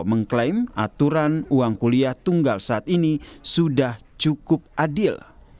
mengklaim aturan uang kuliah tunggal saat ini sudah cukup adil